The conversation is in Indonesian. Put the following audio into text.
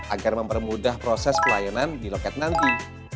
agar mempermudah proses pelayanan di loket nanti